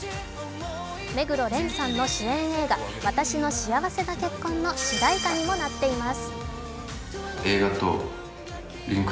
目黒蓮さんの主演映画「わたしの幸せな結婚」の主題歌にもなっています。